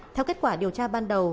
theo kết quả điều tra ban đầu